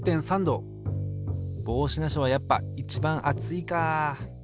帽子なしはやっぱ一番熱いか。